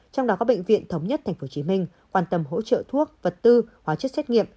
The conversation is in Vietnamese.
trong đó có bệnh viện thống nhất tp hcm quan tâm hỗ trợ thuốc vật tư hóa chất xét nghiệm